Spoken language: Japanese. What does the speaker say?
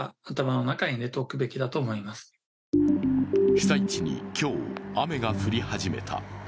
被災地に今日、雨が降り始めた。